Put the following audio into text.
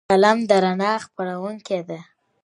قلم د رڼا خپروونکی دی